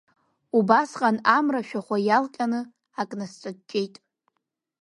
Убасҟан амра ашәахәа иалҟьаны акы насҿаҷҷеит.